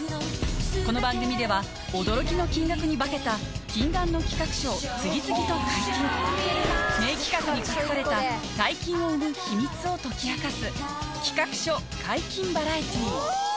この番組では驚きの金額に化けた禁断の企画書を次々と解金名企画に隠された大金を生む秘密を解き明かす